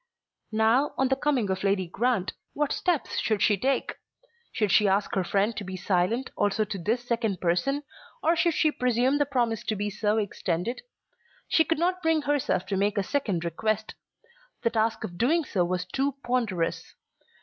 Now, on the coming of Lady Grant, what steps should she take? Should she ask her friend to be silent also to this second person or should she presume the promise to be so extended? She could not bring herself to make a second request. The task of doing so was too ponderous.